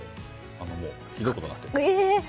ひどいことなってて。